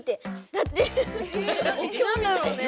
何だろうね？